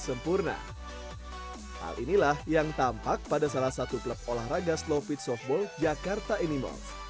sempurna hal inilah yang tampak pada salah satu klub olahraga slowpitch softball jakarta animals